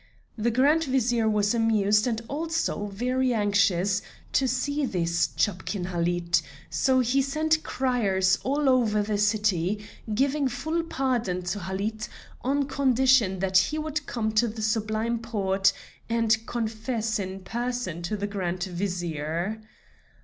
The Grand Vizier was amused and also very anxious to see this Chapkin Halid, so he sent criers all over the city, giving full pardon to Halid on condition that he would come to the Sublime Porte and confess in person to the Grand Vizier.